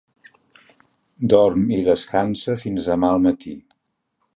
Dorm i descansa fins demà al matí.